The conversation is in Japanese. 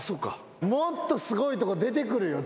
もっとすごいとこ出てくるよ